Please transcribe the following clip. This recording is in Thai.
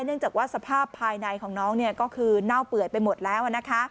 เนื่องจากว่าสภาพภายในของน้องก็คือเน่าเปื่อยไปหมดแล้ว